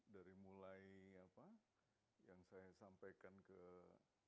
yang saya sampaikan ke